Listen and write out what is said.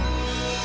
mereka juga akan